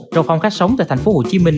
trong phong cách sống tại thành phố hồ chí minh